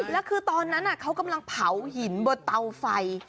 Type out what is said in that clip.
แล้วคือตอนนั้นเขากำลังเผาหินบนเตาไฟ